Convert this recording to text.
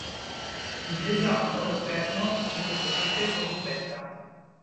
Ils désarment Oloferno qui veut se jeter sur Gubetta.